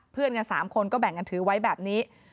เพื่อนกัน๓คนก็แบ่งกันถือไว้แบบนี้